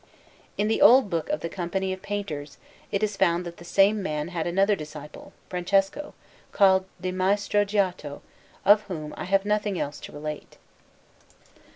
In the old book of the Company of Painters it is found that the same man had another disciple, Francesco, called di Maestro Giotto, of whom I have nothing else to relate.